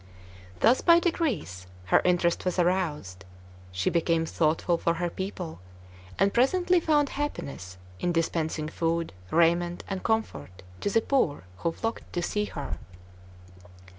Thus by degrees her interest was aroused. She became thoughtful for her people, and presently found happiness in dispensing food, raiment, and comfort to the poor who flocked to see her.